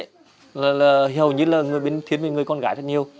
thì hầu như là thiến với người con gái rất nhiều